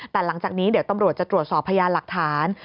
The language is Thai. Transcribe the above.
แต่หลังจากนี้เดี๋ยวตำรวจจะตรวจสอบพยานหลักฐาน